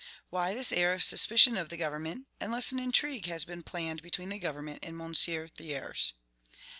Why this air of suspicion of the government, unless an intrigue has been planned between the government and M. Thiers?